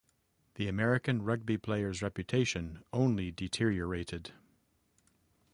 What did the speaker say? The American rugby players' reputation only deteriorated.